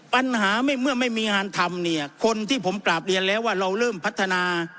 ปัญหาเมื่อไม่มีงานทำเนี่ยคนที่ผมกราบเรียนแล้วว่าเราเริ่มพัฒนา